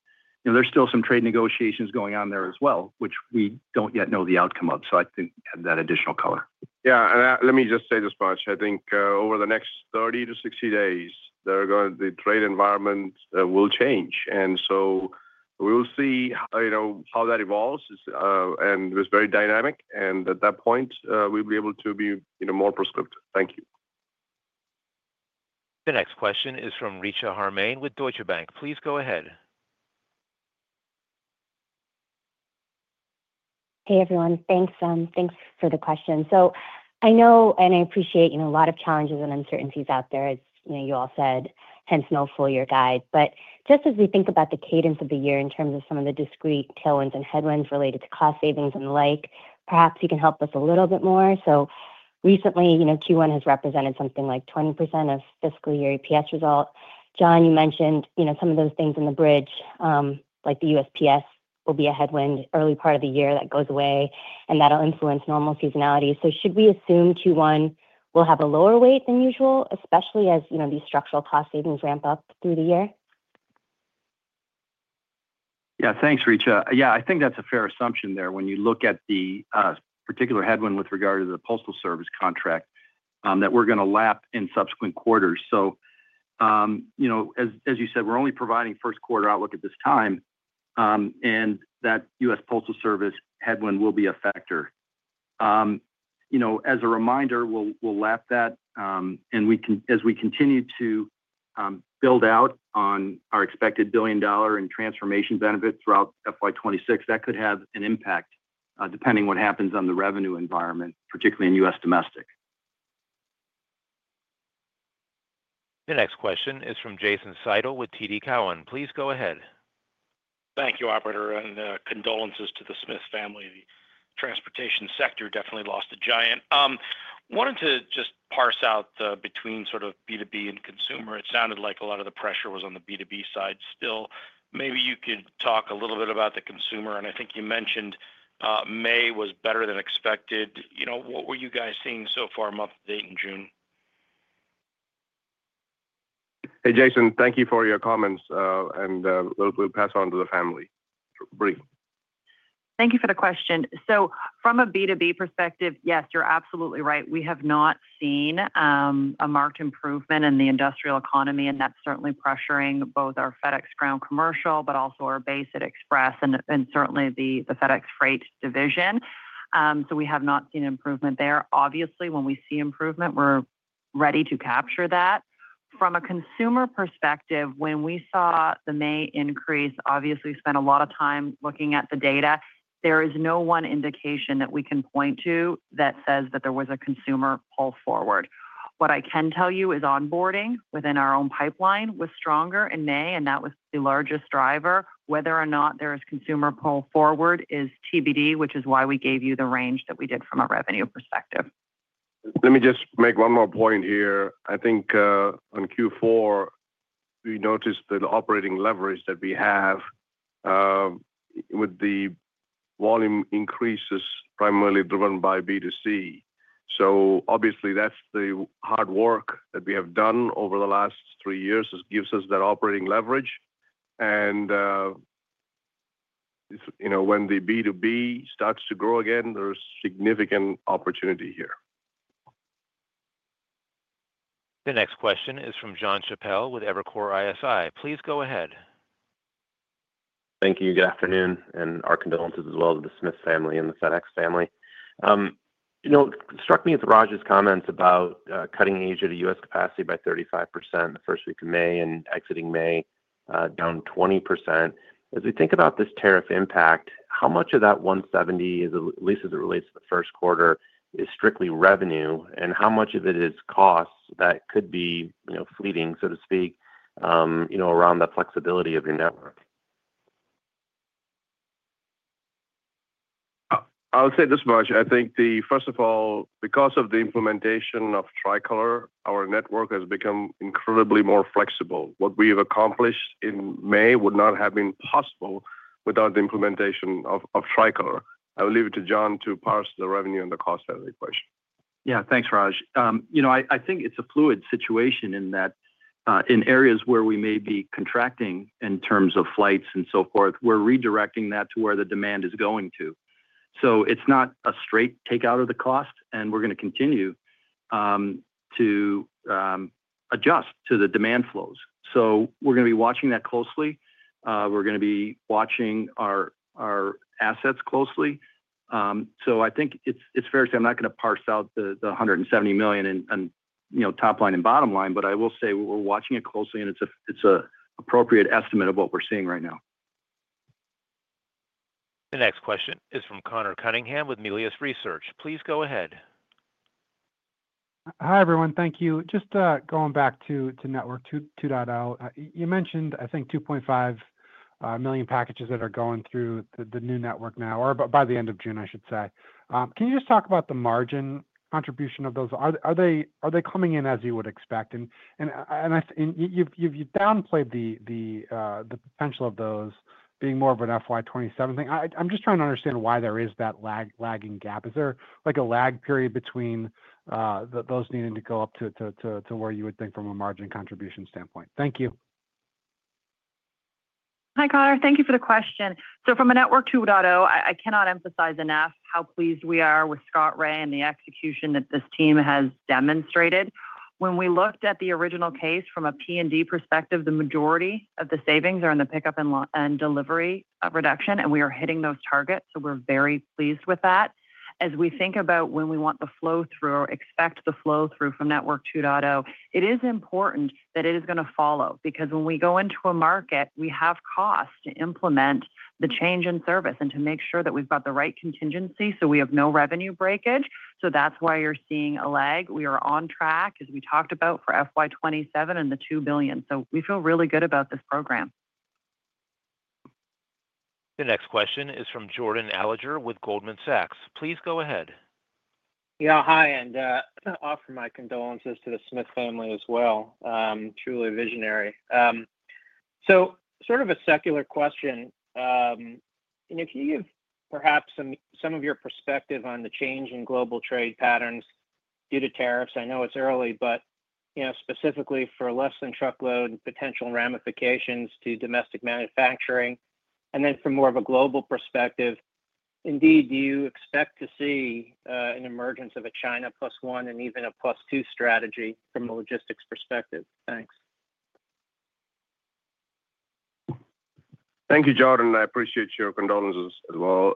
there are still some trade negotiations going on there as well, which we do not yet know the outcome of. I think add that additional color. Yeah. Let me just say this much. I think over the next 30 to 60 days, the trade environment will change. We will see how that evolves. It was very dynamic. At that point, we'll be able to be more prescriptive. Thank you. The next question is from Richa Harmain with Deutsche Bank. Please go ahead. Hey, everyone. Thanks for the question. I know and I appreciate a lot of challenges and uncertainties out there, as you all said, hence no full-year guide. Just as we think about the cadence of the year in terms of some of the discrete tailwinds and headwinds related to cost savings and the like, perhaps you can help us a little bit more. Recently, Q1 has represented something like 20% of fiscal year EPS result. John, you mentioned some of those things in the bridge, like the U.S. Postal Service will be a headwind early part of the year that goes away, and that'll influence normal seasonality. Should we assume Q1 will have a lower weight than usual, especially as these structural cost savings ramp up through the year? Yeah. Thanks, Richa. Yeah. I think that's a fair assumption there when you look at the particular headwind with regard to the Postal Service contract that we're going to lap in subsequent quarters. As you said, we're only providing first quarter outlook at this time, and that U.S. Postal Service headwind will be a factor. As a reminder, we'll lap that. As we continue to build out on our expected billion-dollar and transformation benefit throughout FY26, that could have an impact depending on what happens on the revenue environment, particularly in U.S. domestic. The next question is from Jason Seidel with TD Cowen. Please go ahead. Thank you, operator. Condolences to the Smith family. The transportation sector definitely lost a giant. Wanted to just parse out between sort of B2B and consumer. It sounded like a lot of the pressure was on the B2B side still. Maybe you could talk a little bit about the consumer. I think you mentioned May was better than expected. What were you guys seeing so far month to date in June? Hey, Jason, thank you for your comments. We'll pass on to the family. Brie. Thank you for the question. From a B2B perspective, yes, you're absolutely right. We have not seen a marked improvement in the industrial economy. That's certainly pressuring both our FedEx Ground commercial, but also our base at Express and certainly the FedEx Freight division. We have not seen improvement there. Obviously, when we see improvement, we're ready to capture that. From a consumer perspective, when we saw the May increase, obviously, we spent a lot of time looking at the data. There is no one indication that we can point to that says that there was a consumer pull forward. What I can tell you is onboarding within our own pipeline was stronger in May, and that was the largest driver. Whether or not there is a consumer pull forward is TBD, which is why we gave you the range that we did from a revenue perspective. Let me just make one more point here. I think on Q4, we noticed the operating leverage that we have with the volume increases primarily driven by B2C. That is the hard work that we have done over the last three years that gives us that operating leverage. When the B2B starts to grow again, there is significant opportunity here. The next question is from John Chappell with Evercore ISI. Please go ahead. Thank you. Good afternoon. Our condolences as well to the Smith family and the FedEx family. It struck me with Raj's comments about cutting Asia to U.S. capacity by 35% the first week of May and exiting May down 20%. As we think about this tariff impact, how much of that $170 million, at least as it relates to the First Quarter, is strictly revenue? How much of it is costs that could be fleeting, so to speak, around the flexibility of your network? I'll say this much. I think, first of all, because of the implementation of Tricolor, our network has become incredibly more flexible. What we have accomplished in May would not have been possible without the implementation of Tricolor. I will leave it to John to parse the revenue and the cost of the equation. Yeah. Thanks, Raj. I think it's a fluid situation in that in areas where we may be contracting in terms of flights and so forth, we're redirecting that to where the demand is going to. It's not a straight takeout of the cost, and we're going to continue to adjust to the demand flows. We're going to be watching that closely. We're going to be watching our assets closely. I think it's fair to say I'm not going to parse out the $170 million in top line and bottom line, but I will say we're watching it closely, and it's an appropriate estimate of what we're seeing right now. The next question is from Conor Cunningham with Melius Research. Please go ahead. Hi, everyone. Thank you. Just going back to Network 2.0, you mentioned, I think, 2.5 million packages that are going through the new network now or by the end of June, I should say. Can you just talk about the margin contribution of those? Are they coming in as you would expect? You have downplayed the potential of those being more of an FY27 thing. I'm just trying to understand why there is that lagging gap. Is there a lag period between those needing to go up to where you would think from a margin contribution standpoint? Thank you. Hi, Conor. Thank you for the question. From a Network 2.0, I cannot emphasize enough how pleased we are with Scott Ray and the execution that this team has demonstrated. When we looked at the original case from a PUD perspective, the majority of the savings are in the pickup and delivery reduction, and we are hitting those targets. We are very pleased with that. As we think about when we want the flow through or expect the flow through from Network 2.0, it is important that it is going to follow because when we go into a market, we have costs to implement the change in service and to make sure that we have the right contingency so we have no revenue breakage. That is why you are seeing a lag. We are on track, as we talked about, for FY27 and the $2 billion. We feel really good about this program. The next question is from Jordan Robert Alliger with Goldman Sachs. Please go ahead. Yeah. Hi. I will offer my condolences to the Smith family as well. Truly visionary. Sort of a secular question. Can you give perhaps some of your perspective on the change in global trade patterns due to tariffs? I know it is early, but specifically for less than truckload and potential ramifications to domestic manufacturing. From more of a global perspective, indeed, do you expect to see an emergence of a China plus one and even a plus two strategy from a logistics perspective? Thanks. Thank you, Jordan. I appreciate your condolences as well.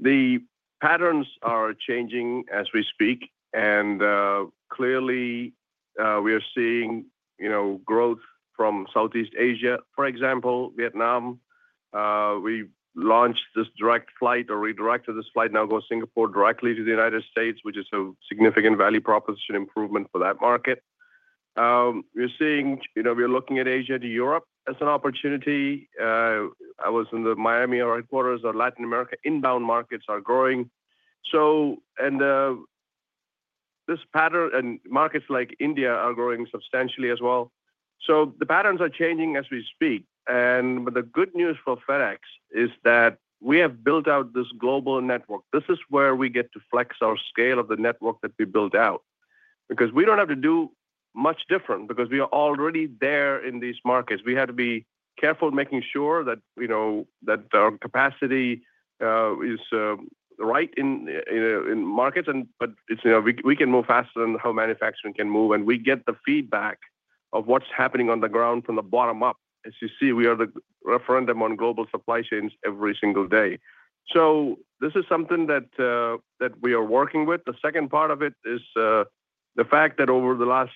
The patterns are changing as we speak. Clearly, we are seeing growth from Southeast Asia, for example, Vietnam. We launched this direct flight or redirected this flight now going to Singapore directly to the United States, which is a significant value proposition improvement for that market. We are looking at Asia to Europe as an opportunity. I was in the Miami headquarters of Latin America. Inbound markets are growing, and markets like India are growing substantially as well. The patterns are changing as we speak. The good news for FedEx is that we have built out this global network. This is where we get to flex our scale of the network that we built out because we do not have to do much different because we are already there in these markets. We have to be careful making sure that our capacity is right in markets, but we can move faster than how manufacturing can move. We get the feedback of what is happening on the ground from the bottom up. As you see, we are the referendum on global supply chains every single day. This is something that we are working with. The second part of it is the fact that over the last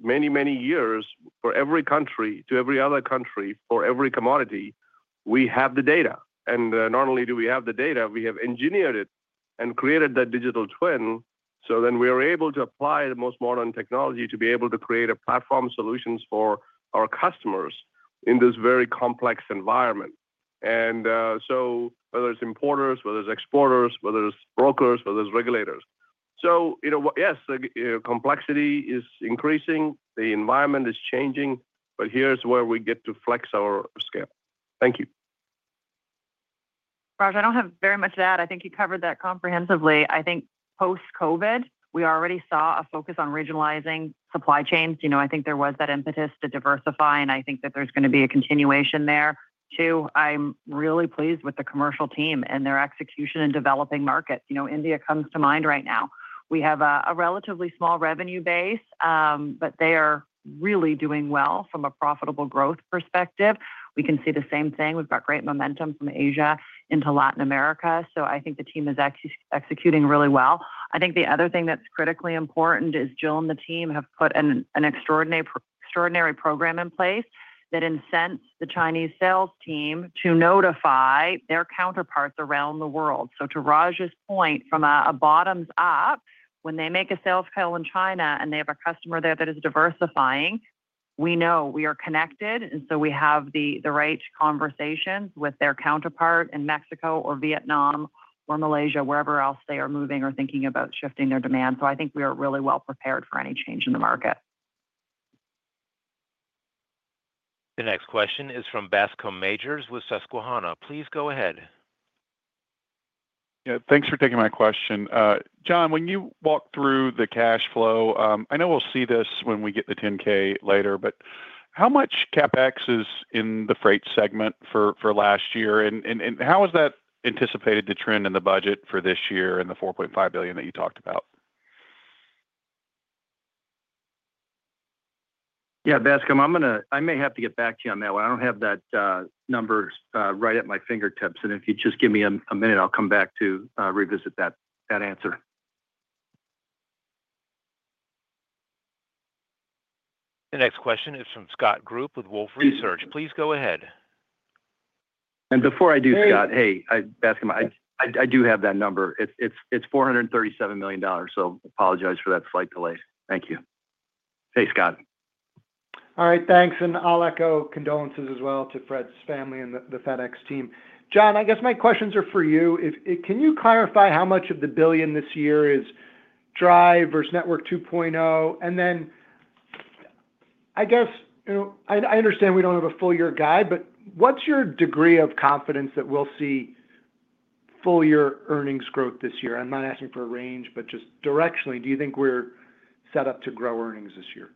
many, many years, for every country, to every other country, for every commodity, we have the data. Not only do we have the data, we have engineered it and created that digital twin. We are able to apply the most modern technology to be able to create platform solutions for our customers in this very complex environment. Whether it is importers, exporters, brokers, or regulators. Yes, complexity is increasing. The environment is changing. Here is where we get to flex our scale. Thank you. Raj, I do not have very much to add. I think you covered that comprehensively. I think post-COVID, we already saw a focus on regionalizing supply chains. I think there was that impetus to diversify. I think that there's going to be a continuation there, too. I'm really pleased with the commercial team and their execution in developing markets. India comes to mind right now. We have a relatively small revenue base, but they are really doing well from a profitable growth perspective. We can see the same thing. We've got great momentum from Asia into Latin America. I think the team is executing really well. I think the other thing that's critically important is Jill and the team have put an extraordinary program in place that incents the Chinese sales team to notify their counterparts around the world. To Raj's point, from a bottoms-up, when they make a sales tail in China and they have a customer there that is diversifying, we know we are connected. We have the right conversations with their counterpart in Mexico or Vietnam or Malaysia, wherever else they are moving or thinking about shifting their demand. I think we are really well prepared for any change in the market. The next question is from Bascome Majors with Susquehanna. Please go ahead. Thanks for taking my question. John, when you walk through the cash flow, I know we'll see this when we get the 10K later, but how much CapEx is in the Freight segment for last year? And how is that anticipated to trend in the budget for this year and the $4.5 billion that you talked about? Yeah. Bascome, I may have to get back to you on that one. I don't have that number right at my fingertips. If you just give me a minute, I'll come back to revisit that answer. The next question is from Scott Group with Wolfe Research. Please go ahead. Before I do, Scott, hey. Bascome, I do have that number. It is $437 million. Apologize for that slight delay. Thank you. Hey, Scott. All right. Thanks. I will echo condolences as well to Fred's family and the FedEx team. John, I guess my questions are for you. Can you clarify how much of the billion this year is DRIVE versus Network 2.0? I guess I understand we do not have a full-year guide, but what is your degree of confidence that we will see full-year earnings growth this year? I am not asking for a range, but just directionally, do you think we are set up to grow earnings this year?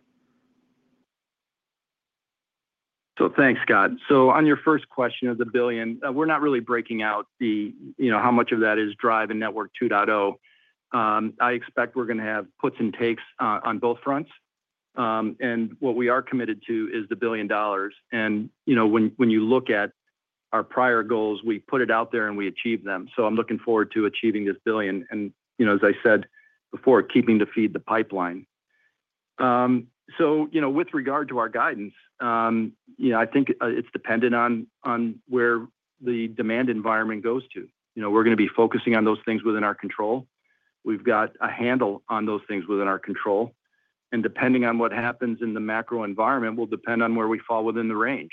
Thanks, Scott. On your first question of the billion, we are not really breaking out how much of that is DRIVE and Network 2.0. I expect we're going to have puts and takes on both fronts. What we are committed to is the billion dollars. When you look at our prior goals, we put it out there and we achieved them. I'm looking forward to achieving this billion. As I said before, keeping to feed the pipeline. With regard to our guidance, I think it's dependent on where the demand environment goes to. We're going to be focusing on those things within our control. We've got a handle on those things within our control. Depending on what happens in the macro environment will depend on where we fall within the range.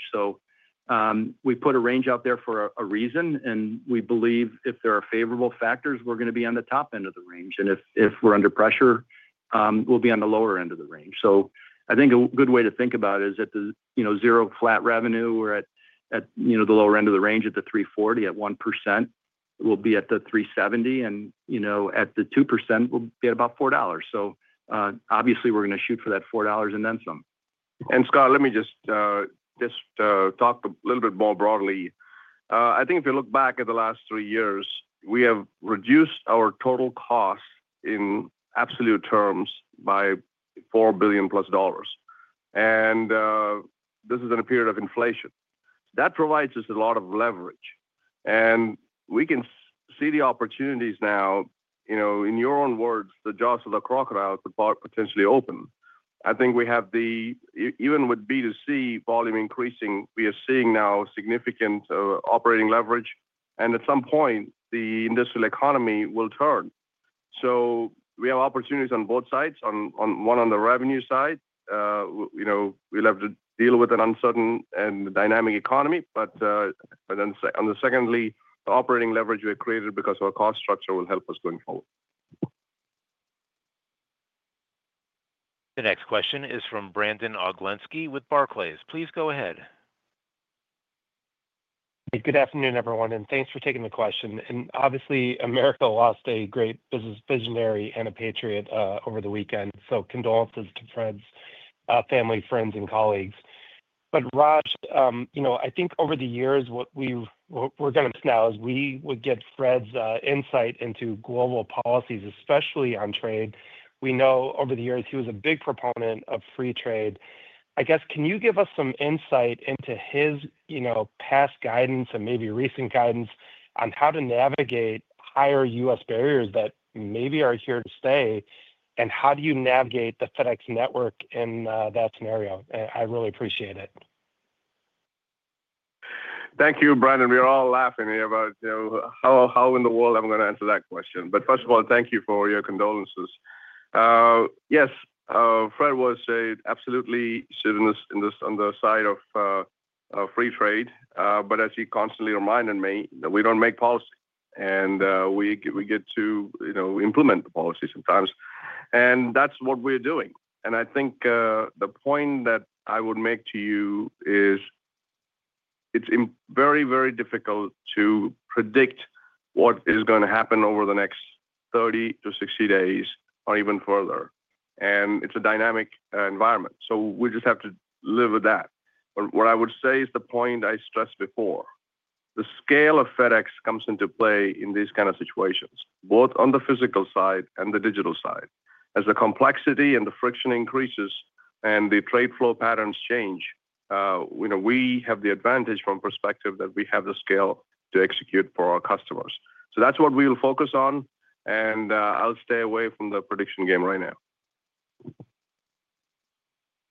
We put a range out there for a reason. We believe if there are favorable factors, we're going to be on the top end of the range. If we are under pressure, we will be on the lower end of the range. I think a good way to think about it is at the zero flat revenue or at the lower end of the range at the $3.40, at 1%, we will be at the $3.70. At the 2%, we will be at about $4. Obviously, we are going to shoot for that $4 and then some. Scott, let me just talk a little bit more broadly. I think if you look back at the last three years, we have reduced our total costs in absolute terms by $4 billion plus. This is in a period of inflation. That provides us a lot of leverage. We can see the opportunities now. In your own words, the jaws of the crocodile could potentially open. I think we have the, even with B2C volume increasing, we are seeing now significant operating leverage. At some point, the industrial economy will turn. We have opportunities on both sides, one on the revenue side. We will have to deal with an uncertain and dynamic economy. Secondly, the operating leverage we have created because of our cost structure will help us going forward. The next question is from Brandon Robert Oglenski with Barclays. Please go ahead. Hey, good afternoon, everyone. Thanks for taking the question. Obviously, America lost a great business visionary and a patriot over the weekend. Condolences to Fred's family, friends, and colleagues. Raj, I think over the years, what we are going to now is we would get Fred's insight into global policies, especially on trade. We know over the years, he was a big proponent of free trade. I guess, can you give us some insight into his past guidance and maybe recent guidance on how to navigate higher U.S. barriers that maybe are here to stay? How do you navigate the FedEx network in that scenario? I really appreciate it. Thank you, Brandon. We are all laughing about how in the world I'm going to answer that question. First of all, thank you for your condolences. Yes, Fred was absolutely sitting on the side of free trade. As he constantly reminded me, we do not make policy. We get to implement the policy sometimes, and that's what we're doing. I think the point that I would make to you is it's very, very difficult to predict what is going to happen over the next 30-60 days or even further. It's a dynamic environment. We just have to live with that. What I would say is the point I stressed before. The scale of FedEx comes into play in these kinds of situations, both on the physical side and the digital side. As the complexity and the friction increases and the trade flow patterns change, we have the advantage from the perspective that we have the scale to execute for our customers. That is what we will focus on. I'll stay away from the prediction game right now.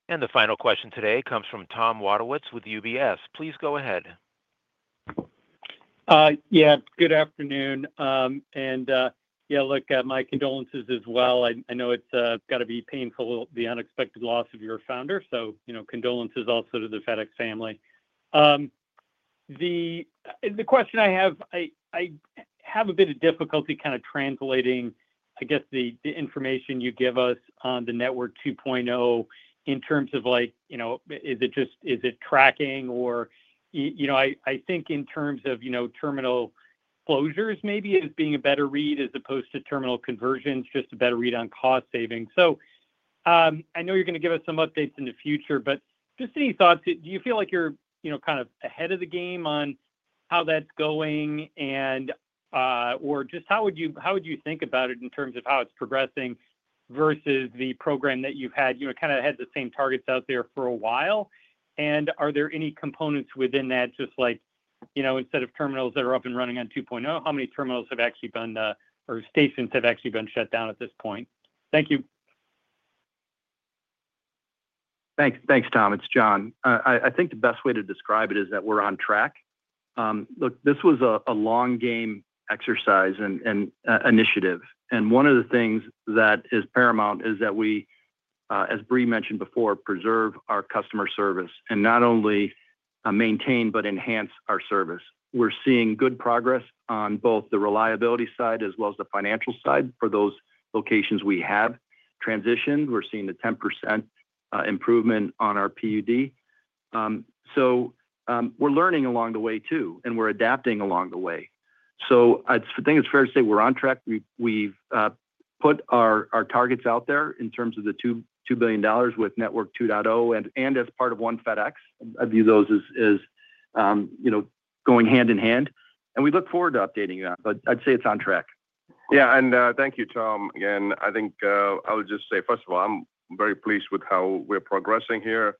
The final question today comes from Tom Wadewitz with UBS. Please go ahead. Yeah. Good afternoon. Yeah, look, my condolences as well. I know it has got to be painful, the unexpected loss of your founder. Condolences also to the FedEx family. The question I have, I have a bit of difficulty kind of translating, I guess, the information you give us on the Network 2.0 in terms of is it tracking or I think in terms of terminal closures maybe as being a better read as opposed to terminal conversions, just a better read on cost savings. I know you're going to give us some updates in the future, but just any thoughts. Do you feel like you're kind of ahead of the game on how that's going or just how would you think about it in terms of how it's progressing versus the program that you've had? You kind of had the same targets out there for a while. Are there any components within that, just like instead of terminals that are up and running on 2.0, how many terminals have actually been or stations have actually been shut down at this point? Thank you. Thanks, Tom. It's John. I think the best way to describe it is that we're on track. Look, this was a long game exercise and initiative. One of the things that is paramount is that we, as Brie mentioned before, preserve our customer service and not only maintain, but enhance our service. We're seeing good progress on both the reliability side as well as the financial side for those locations we have transitioned. We're seeing a 10% improvement on our PUD. We're learning along the way, too, and we're adapting along the way. I think it's fair to say we're on track. We've put our targets out there in terms of the $2 billion with Network 2.0 and as part of One FedEx. I view those as going hand in hand. We look forward to updating that. I'd say it's on track. Yeah. Thank you, Tom. I think I would just say, first of all, I'm very pleased with how we're progressing here.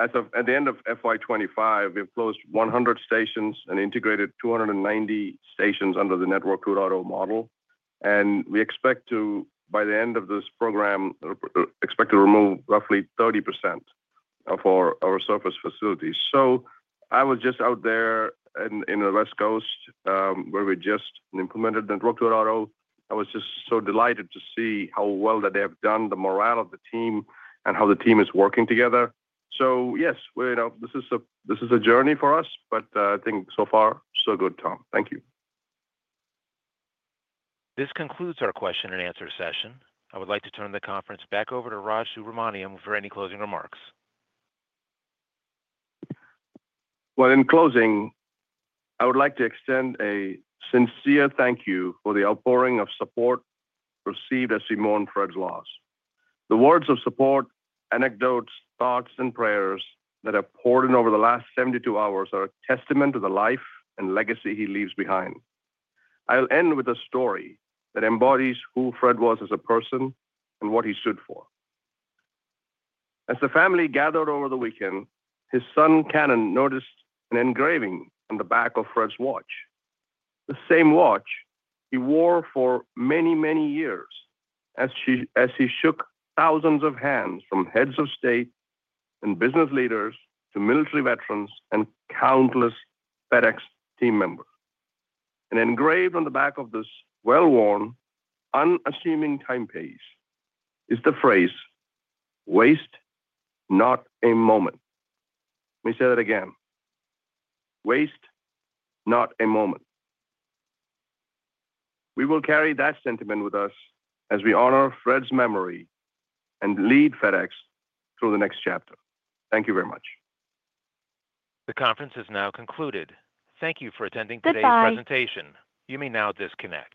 As of the end of FY25, we've closed 100 stations and integrated 290 stations under the Network 2.0 model. We expect to, by the end of this program, remove roughly 30% of our surface facilities. I was just out there in the West Coast where we just implemented Network 2.0. I was just so delighted to see how well they have done, the morale of the team, and how the team is working together. Yes, this is a journey for us. I think so far, so good, Tom. Thank you. This concludes our question and answer session. I would like to turn the conference back over to Raj Subramaniam for any closing remarks. In closing, I would like to extend a sincere thank you for the outpouring of support received as we mourn Fred's loss. The words of support, anecdotes, thoughts, and prayers that have poured in over the last 72 hours are a testament to the life and legacy he leaves behind. I'll end with a story that embodies who Fred was as a person and what he stood for. As the family gathered over the weekend, his son, Cannon, noticed an engraving on the back of Fred's watch, the same watch he wore for many, many years as he shook thousands of hands from heads of state and business leaders to military veterans and countless FedEx team members. Engraved on the back of this well-worn, unassuming timepiece is the phrase, "Waste not a moment." Let me say that again. "Waste not a moment." We will carry that sentiment with us as we honor Fred's memory and lead FedEx through the next chapter. Thank you very much. The conference is now concluded. Thank you for attending today's presentation. You may now disconnect.